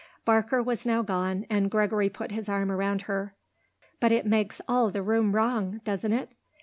Barker was now gone and Gregory put his arm around her. "But it makes all the room wrong, doesn't it?